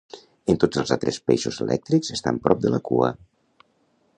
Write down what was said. En tots els altres peixos elèctrics estan prop de la cua.